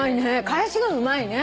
返しがうまいね。